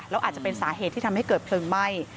แล้วอาจจะเป็นสาเหตุที่ทำให้เกิดเพลิงไหม้